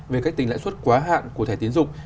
về cách tính lãi suất quá hạn của thẻ tiến dụng